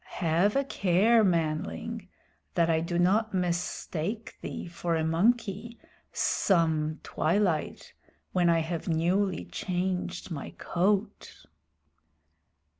Have a care, manling, that I do not mistake thee for a monkey some twilight when I have newly changed my coat."